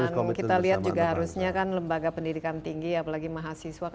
dan kita lihat juga harusnya kan lembaga pendidikan tinggi apalagi mahasiswa